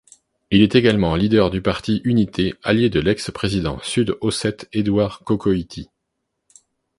Il est également leader du Parti Unité, allié de l'ex-président sud-ossète Edouard Kokoïty.